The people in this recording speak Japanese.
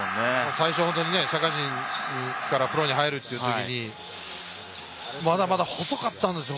最初、本当に社会人からプロに入るというときにまだまだ細かったんですよ